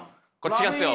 違うんですよ。